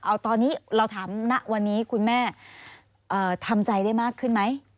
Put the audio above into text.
เอาตอนนี้เราถามณวันนี้คุณแม่ทำใจได้มากขึ้นไหม